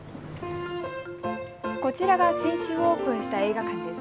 こちらが先週オープンした映画館です。